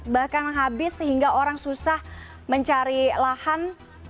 bahkan habis sehingga orang susah mencari lahan